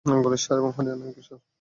অঙ্গুলের ষাঁড় এবং হরিয়ানার এঁড়ে ষাঁড়!